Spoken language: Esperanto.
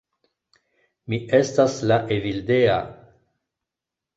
Mi estas la Evildea.